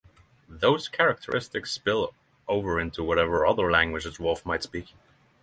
Those characteristics spill over into whatever other language a dwarf might speak.